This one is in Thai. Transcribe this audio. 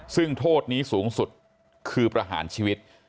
ซึ่งโทษนี้สูงสุดคือประหารชีวิต